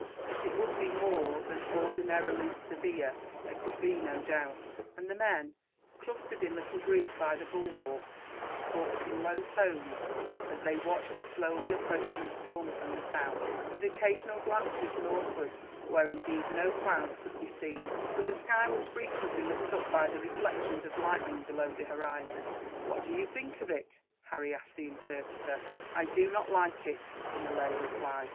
That it would be more than ordinarily severe there could be no doubt, and the men, clustered in little groups by the bulwarks, talked in low tones as they watched the slowly approaching storm from the south; with occasional glances northwards, where indeed no clouds could be seen, but the sky was frequently lit up by the reflections of lightning below the horizon. "What do you think of it?" Harry asked the interpreter. "I do not like it," the Malay replied.